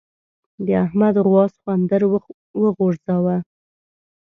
د احمد غوا سخوندر وغورځاوو.